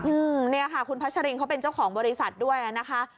อืมเนี่ยค่ะคุณพัชรินเขาเป็นเจ้าของบริษัทด้วยอ่ะนะคะ